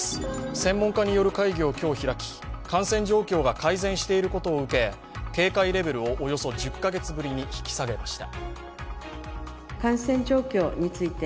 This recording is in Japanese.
専門家による会議を今日開き感染状況が改善していることを受け、警戒レベルをおよそ１０カ月ぶりに引き下げました。